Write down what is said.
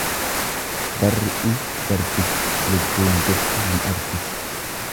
Barri i darbiti lubbuun jirtu ni agarti.